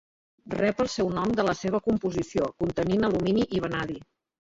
Rep el seu nom de la seva composició, contenint alumini i vanadi.